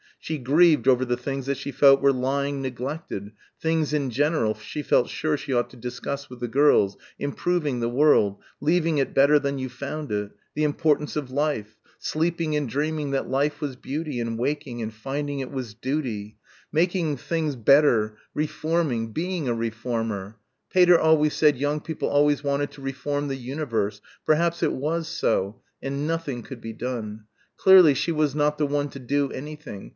She grieved over the things that she felt were lying neglected, "things in general" she felt sure she ought to discuss with the girls ... improving the world ... leaving it better than you found it ... the importance of life ... sleeping and dreaming that life was beauty and waking and finding it was duty ... making things better, reforming ... being a reformer.... Pater always said young people always wanted to reform the universe ... perhaps it was so ... and nothing could be done. Clearly she was not the one to do anything.